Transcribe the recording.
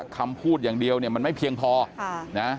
คำพูดอย่างเดียวเนี่ยมันไม่เพียงพอนะ